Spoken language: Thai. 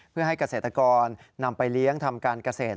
เพื่อให้เกษตรกรนำไปเลี้ยงทำการเกษตร